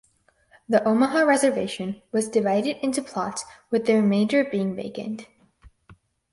The Omaha Reservation was divided into plots with the remainder being vacant.